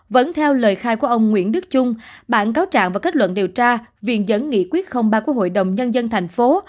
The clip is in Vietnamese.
vẫn theo lời khai của ông nguyễn đức trung bản cáo trạng và kết luận điều tra viện dẫn nghị quyết ba của hội đồng nhân dân thành phố